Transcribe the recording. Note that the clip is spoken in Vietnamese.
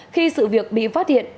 khi sự việc bị phát hiện